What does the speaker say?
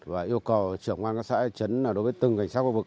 và yêu cầu trưởng quán quán xã chấn đối với từng cảnh sát quốc vực